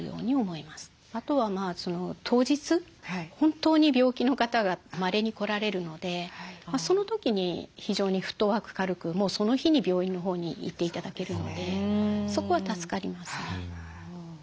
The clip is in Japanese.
あとは当日本当に病気の方がまれに来られるのでその時に非常にフットワーク軽くもうその日に病院のほうに行って頂けるのでそこは助かりますね。